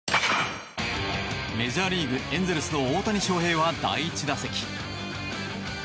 メジャーリーグ、エンゼルスの大谷翔平は第１打席。